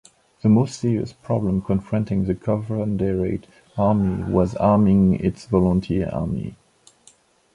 The most serious problem confronting the Confederate army was arming its volunteer army.